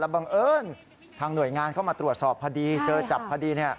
บังเอิญทางหน่วยงานเข้ามาตรวจสอบพอดีเจอจับพอดี